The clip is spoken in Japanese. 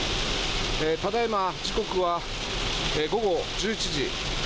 ただ今、時刻は午後１１時。